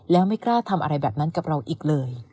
แล้วไม่กล้าทำอะไรแบบนั้นกับเราอีกเลย